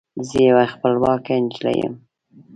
زه یوه خپلواکه نجلۍ یم